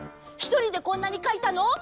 ひとりでこんなにかいたの？